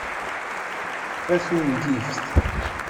A tungift!